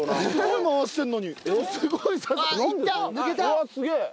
うわっすげえ！